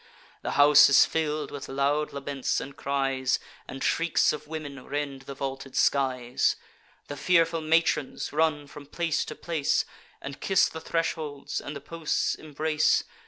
The house is fill'd with loud laments and cries, And shrieks of women rend the vaulted skies; The fearful matrons run from place to place, And kiss the thresholds, and the posts embrace.